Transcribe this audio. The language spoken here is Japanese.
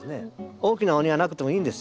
大きなお庭なくてもいいんです。